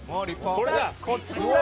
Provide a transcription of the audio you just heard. これだ。